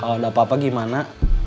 kalau ada apa apa gimana